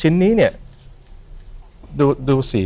โดดดูสี